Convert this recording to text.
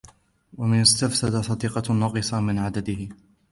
وَمَنْ اسْتَفْسَدَ صَدِيقَهُ نَقَصَ مِنْ عَدَدِهِ